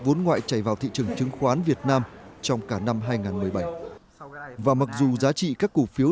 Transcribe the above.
vốn ngoại chảy vào thị trường chứng khoán việt nam trong cả năm hai nghìn một mươi bảy và mặc dù giá trị các cổ phiếu